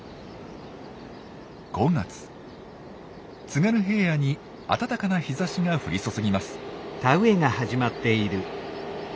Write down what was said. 津軽平野に暖かな日ざしが降り注ぎます。